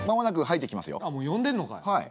あっもう呼んでんのかい。